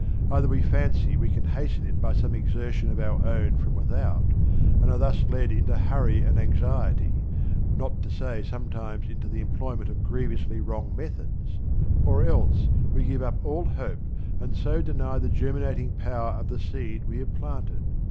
Either we fancy we can hasten it by some exertion of our own from without, and are thus led into hurry and anxiety, not to say sometimes into the employment, of grievously wrong methods; or else we give up all hope and so deny the germinating power of the seed we have planted.